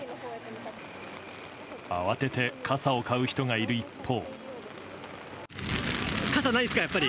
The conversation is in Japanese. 慌てて傘を買う人がいる一方。